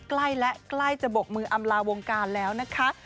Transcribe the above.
ใกล้และใกล้จะบกมืออำลาวงการแล้วนะคะ